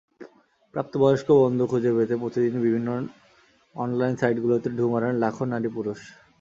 প্রাপ্তবয়স্ক বন্ধু খুঁজে পেতে প্রতিদিনই বিভিন্ন অনলাইন সাইটগুলোতে ঢুঁ মারেন লাখো নারী-পুরুষ।